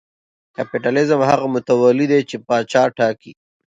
کاپیتالېزم هغه متولي دی چې پاچا ټاکي.